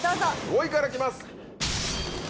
５位からいきます！